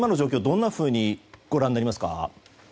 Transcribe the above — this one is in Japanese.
どのようにご覧になりますか？